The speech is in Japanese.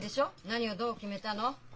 何をどう決めたの？